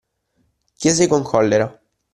Chiese con collera.